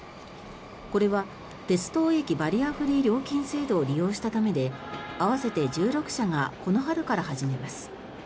これは鉄道駅バリアフリー料金制度を利用したためで合わせて１６社がこの春から始めます。